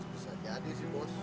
bisa jadi sih bos